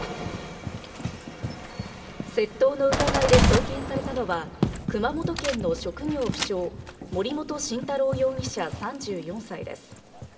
窃盗の疑いで送検されたのは熊本県の職業不詳・森本晋太郎容疑者、３４歳です。